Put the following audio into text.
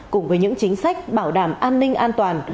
cùng với những chính sách bảo đảm an ninh an toàn